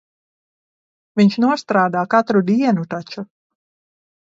Viņš nostrādā katru dienu taču.